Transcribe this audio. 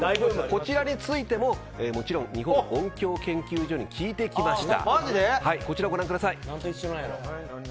こちらについてももちろん日本音響研究所に聞いてきました。